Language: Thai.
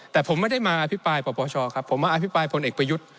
แต่ผมไม่ได้มาอภิปรายปปชครับผมมาอภิปรายพลเอกประยุทธ์